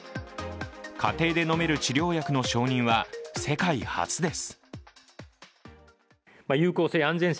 家庭で飲める治療薬の承認は世界初です。